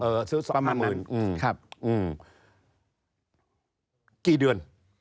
เออซื้อสองห้ามึง